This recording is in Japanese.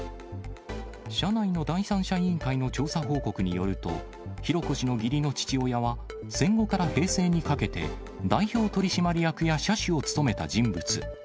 社内の第三者委員会の調査報告によると、浩子氏の義理の父親は、戦後から平成にかけて、代表取締役や社主を務めた人物。